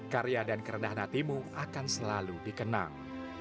karya dan kerendahan hatimu akan selalu dikenang